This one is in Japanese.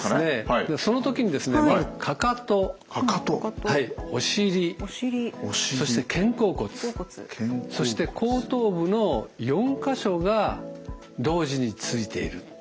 その時にですねまずかかとお尻そして肩甲骨そして後頭部の４か所が同時についている。